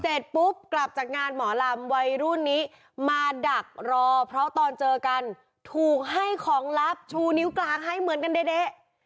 เสร็จปุ๊บกลับจากงานหมอลำวัยรุ่นนี้มาดักรอเพราะตอนเจอกันถูกให้ของลับชูนิ้วกลางให้เหมือนกันเด๊ะ